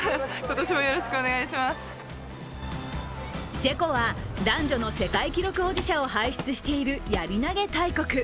チェコは男女の世界記録保持者を輩出しているやり投げ大国。